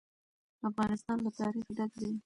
افغانستان له تاریخ ډک دی.